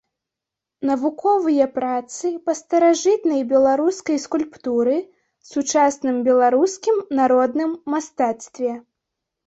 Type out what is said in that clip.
Навуковыя працы па старажытнай беларускай скульптуры, сучасным беларускім народным мастацтве.